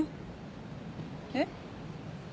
えっ？